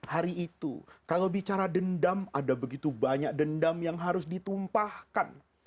hari itu kalau bicara dendam ada begitu banyak dendam yang harus ditumpahkan